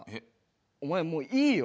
お前もういいよ。